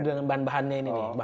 oh supplier bahan bahannya